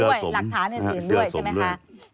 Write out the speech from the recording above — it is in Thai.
ด้วยหลักฐานอื่นด้วยใช่ไหมคะ